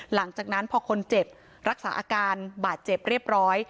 หลังจากนั้นพอคนเจ็บรักษาอาการบาดเจ็บเรียบร้อย